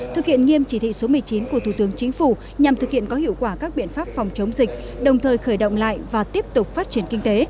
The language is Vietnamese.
thực hiện nghiêm chỉ thị số một mươi chín của thủ tướng chính phủ nhằm thực hiện có hiệu quả các biện pháp phòng chống dịch đồng thời khởi động lại và tiếp tục phát triển kinh tế